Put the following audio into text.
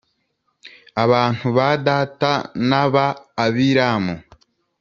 abantu ba Datani n’aba Abiramu,